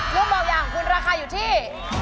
ลูกบางอย่างของคุณราคาอยู่ที่